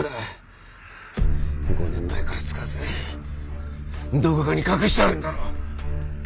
５年前から使わずどこかに隠してあるんだろ？